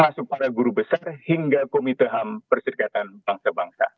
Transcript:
masuk pada guru besar hingga komite ham persidikatan bangsa bangsa